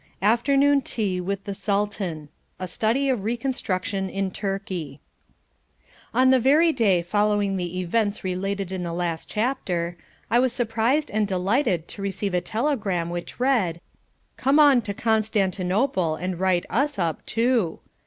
Afternoon Tea with the Sultan A Study of Reconstruction in Turkey On the very day following the events related in the last chapter, I was surprised and delighted to receive a telegram which read "Come on to Constantinople and write US up too."